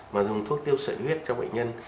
mà dùng thuốc tiêu sợi huyết cho bệnh nhân